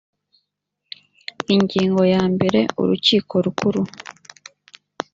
ingingo ya mbere urukiko rukuru